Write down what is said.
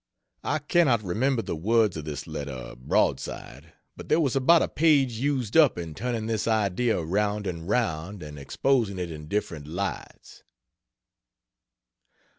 I cannot remember the words of this letter broadside, but there was about a page used up in turning this idea round and round and exposing it in different lights.